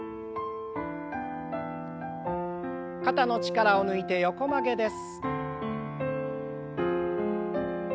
肩の力を抜いて横曲げです。